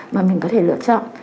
mà mình có thể lựa chọn